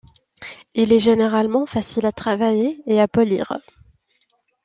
Il est généralement facile à travailler et à polir.